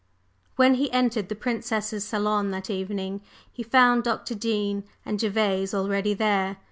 When he entered the Princess's salon that evening, he found Dr. Dean and Gervase already there.